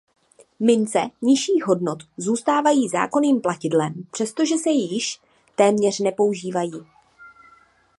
Mince nižších hodnot zůstávají zákonným platidlem přestože se již téměř nepoužívají.